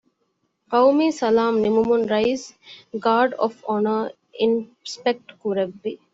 ޤައުމީ ސަލާމް ނިމުމުން ރައީސް ގާރޑް އޮފް އޮނަރ އިންސްޕެކްޓް ކުރެއްވި